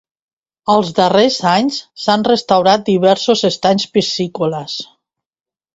Els darrers anys, s'han restaurat diversos estanys piscícoles.